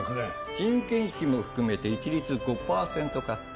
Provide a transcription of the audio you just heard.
人件費も含めて一律５パーセントカット。